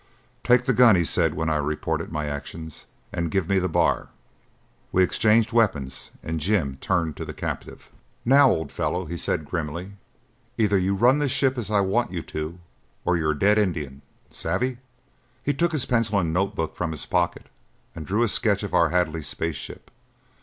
"Take the gun," he said when I reported my actions, "and give me the bar." We exchanged weapons and Jim turned to the captive. "Now, old fellow," he said grimly, "either you run this ship as I want you to, or you're a dead Indian. Savvy?" He took his pencil and notebook from his pocket and drew a sketch of our Hadley space ship.